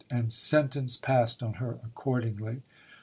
and sentence passed on her accordingly.